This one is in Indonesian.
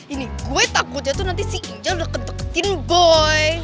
ini gue takut aja tuh nanti si angel udah kentek kentekin boy